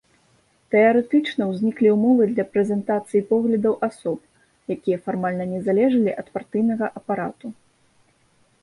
Тэарэтычна ўзніклі ўмовы для прэзентацыі поглядаў асоб, якія фармальна не залежалі ад партыйнага апарату.